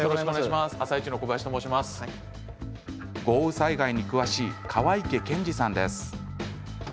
豪雨災害に詳しい川池健司さんです。